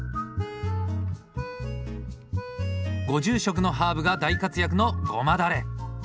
ご住職のハーブが大活躍のゴマダレ！